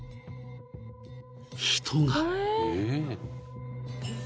［人が］